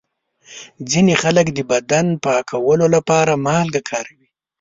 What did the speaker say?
ځینې خلک د بدن پاکولو لپاره مالګه کاروي.